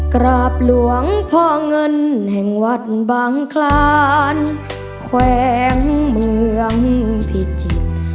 กราบหลวงพ่อเงินแห่งวัดบังคลานแขวงเมืองพิจิตร